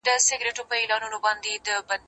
امادګي وکړه،